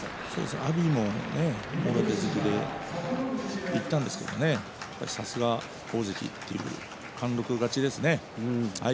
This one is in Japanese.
阿炎はもろ手突きでいったんですがさすが大関という貫禄勝ちですね。